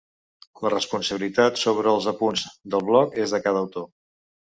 La responsabilitat sobre els apunts del bloc és de cada autor.